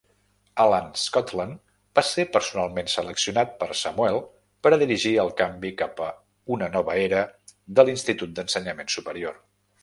Alan Scotland va ser personalment seleccionat per Samuel per a dirigir el canvi cap a una nova era de l'institut d'ensenyament superior.